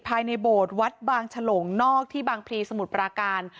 โบสถ์วัดบางฉลงนอกที่บางพลีสมุทรปราการ